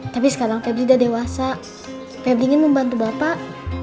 tapi sekarang pebli udah dewasa pebli ingin membantu bapak